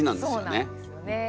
そうなんですよね。